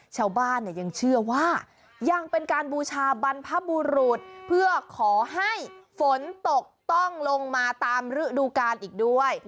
ชาวบ้านเนี่ยยังเชื่อว่ายังเป็นการบูชาบรรพบุรุษเพื่อขอให้ฝนตกต้องลงมาตามฤดูกาลอีกด้วย